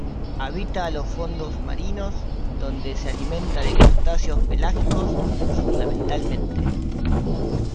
Habita los fondos marinos blandos, donde se alimenta de crustáceos pelágicos fundamentalmente.